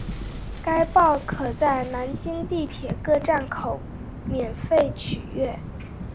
该报可在南京地铁各站台口免费取阅。